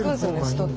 人って。